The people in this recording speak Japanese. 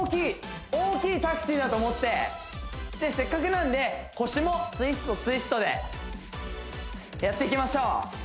大きいタクシーだと思ってせっかくなんで腰もツイストツイストでやっていきましょう